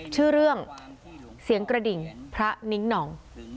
ชื่อเรื่องเสียงกระดิ่งพระนิ้งหนอง